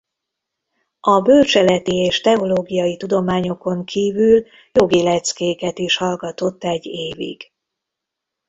A bölcseleti és teológiai tudományokon kívül jogi leckéket is hallgatott egy évig.